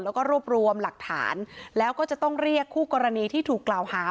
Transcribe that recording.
แล้วก็รวบรวมหลักฐานแล้วก็จะต้องเรียกคู่กรณีที่ถูกกล่าวหา